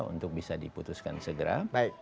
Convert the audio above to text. untuk bisa diputuskan segera